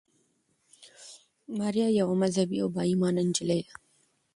ماریا یوه مذهبي او با ایمانه نجلۍ ده.